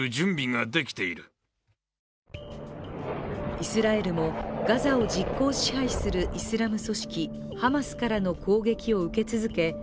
イスラエルもガザを実効支配するイスラム組織ハマスからの攻撃を受け続け